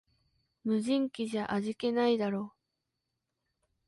無人機じゃ味気ないだろ